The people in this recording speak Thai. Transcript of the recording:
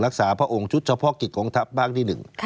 รักษาพระองค์ชุดเฉพาะกิจของทัพบ้างที่หนึ่ง